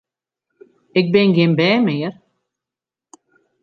Ik bin gjin bern mear!